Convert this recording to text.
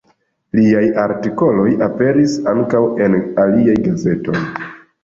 Liaj artikoloj aperis ankaŭ en aliaj gazetoj.